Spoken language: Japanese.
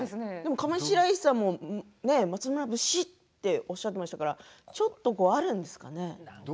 上白石さんも松村節っておっしゃっていましたからちょっとあるんですかね。